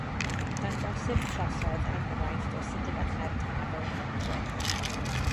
Dangosir trosodd enghraifft o sut y gallai'r tabl edrych.